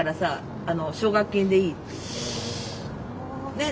ねえ